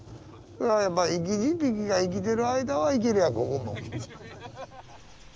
やっぱ生き字引が生きてる間はいけるやここも。